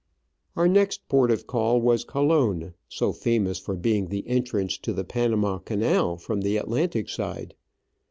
Our next port of call was Colon, so famous for being the entrance to the Panama Canal from the Atlantic side.